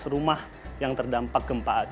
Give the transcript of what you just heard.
sebelas rumah yang terdampak gempaan